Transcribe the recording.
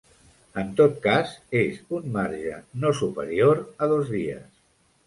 En tot cas, és un marge no superior a dos dies.